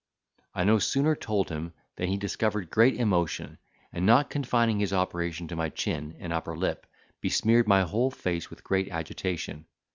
I no sooner told him, than he discovered great emotion, and not confining his operation to my chin and upper lip, besmeared my whole face with great agitation.